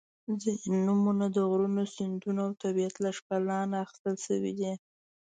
• ځینې نومونه د غرونو، سیندونو او طبیعت له ښکلا نه اخیستل شوي دي.